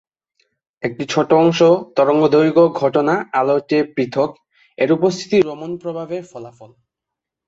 একটি ছোট অংশ, তরঙ্গদৈর্ঘ্য ঘটনা আলোর চেয়ে পৃথক; এর উপস্থিতি রমন প্রভাবের ফলাফল।